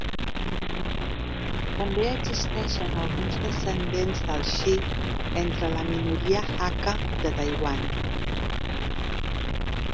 També existeixen alguns descendents dels She entre la minoria Hakka de Taiwan.